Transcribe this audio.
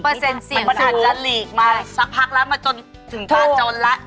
เปอร์เซ็นต์เสี่ยงสูงมันหลีกมาสักพักแล้วมาจนถึงบ้านจนแล้ว